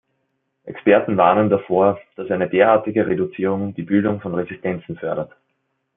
Experten warnen davor, dass eine derartige Reduzierung die Bildung von Resistenzen fördert.